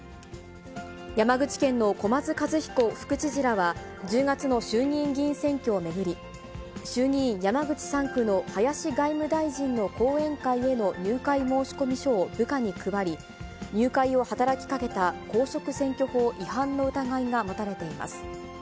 山口県の小松一彦副知事らは、１０月の衆議院議員選挙を巡り、衆議院山口３区の林外務大臣の後援会への入会申込書を部下に配り、入会を働きかけた公職選挙法違反の疑いが持たれています。